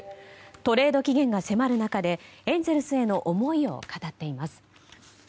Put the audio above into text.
トレード期限が迫る中でエンゼルスへの思いを語っています。